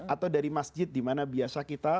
atau dari masjid dimana biasa kita